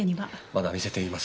まだ見せていません。